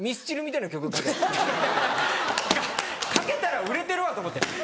いや書けたら売れてるわ！と思って。